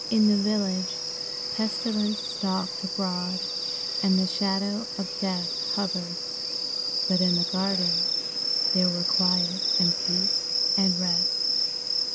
In the village, pestilence stalked abroad and the shadow of death hovered, but in the garden there were quiet and peace and rest.